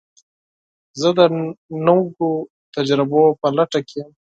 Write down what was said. زه د نوو تجربو په لټه کې یم.